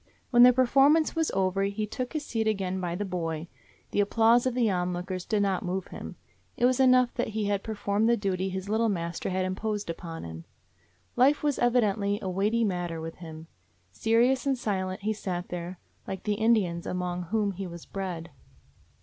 When the performance was over he took his seat again by the boy. The applause of the onlookers did not move him. It was enough that he had performed the duty his little mas ter had imposed upon him. Life was evi dently a weighty matter with him. Serious and silent he sat there, like the Indians among whom he was bred.